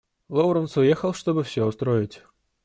Лоуренс уехал, чтобы все устроить.